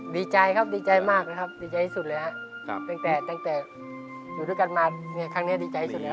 ดีใจครับดีใจมากนะครับดีใจที่สุดเลยครับตั้งแต่ตั้งแต่อยู่ด้วยกันมาเนี่ยครั้งนี้ดีใจสุดแล้ว